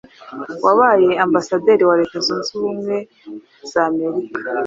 wabaye Ambasaderi wa Leta Zunze Ubumwe za Amerika